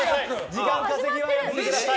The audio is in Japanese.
時間稼ぎはやめてください！